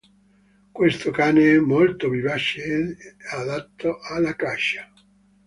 Questo cane è molto vivace ed è adatto alla caccia".